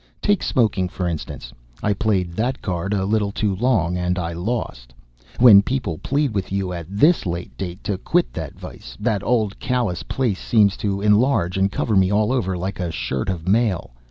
Take smoking, for instance. I played that card a little too long, and I lost. When people plead with you at this late day to quit that vice, that old callous place seems to enlarge and cover me all over like a shirt of mail.